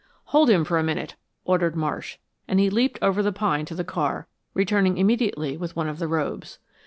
"Hold him for a minute," ordered Marsh, and he leaped over the pine to the car, returning immediately with one of the robes.